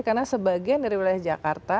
karena sebagian dari wilayah jakarta